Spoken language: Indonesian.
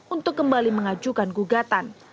untuk kembali mengajukan gugatan